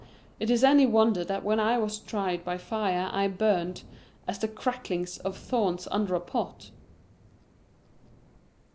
Is it any wonder that when I was tried by fire I burned "as the cracklings of thorns under a pot?"